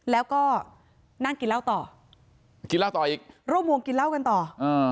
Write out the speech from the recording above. แล้วก็นั่งกินเหล้าต่อกินเหล้าต่ออีกร่วมวงกินเหล้ากันต่ออ่า